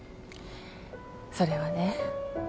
それはね